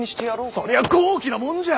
そりゃ豪気なもんじゃ！